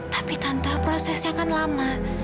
tapi tante prosesnya akan lama